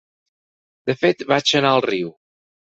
De fet, vaig anar al riu.